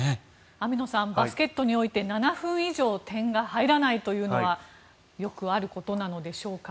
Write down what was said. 網野さんバスケットにおいて７分以上点が入らないということはよくあることなのでしょうか。